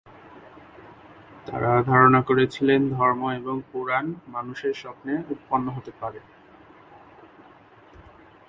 তারা ধারণা করেছিলেন, ধর্ম এবং পুরাণ মানুষের স্বপ্নে উৎপন্ন হতে পারে।